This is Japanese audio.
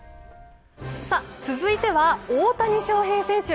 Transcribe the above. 続いては大谷翔平選手。